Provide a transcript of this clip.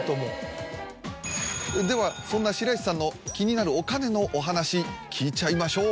ではそんな白石さんの気になるお金のお話聞いちゃいましょう。